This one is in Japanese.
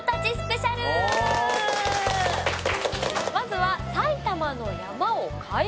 まずは。